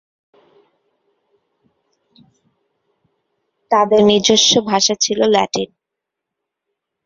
তাদের নিজস্ব ভাষা ছিল ল্যাটিন।